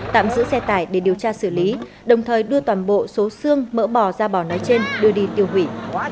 tạm giữ xe tải để điều tra xử lý đồng thời đưa toàn bộ số xương mỡ bò da bò nói trên đưa đi tiêu hủy